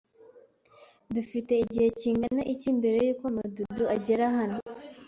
Dufite igihe kingana iki mbere yuko Madudu agera hano?